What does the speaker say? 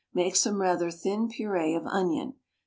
Make some rather thin puree of onion.